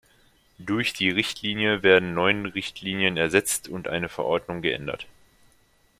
Durch die Richtlinie werden neun Richtlinien ersetzt und eine Verordnung geändert.